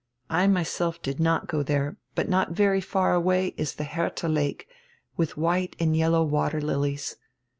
I myself did not go there, but not very far away is the Hertiia Lake with white and yellow water lilies.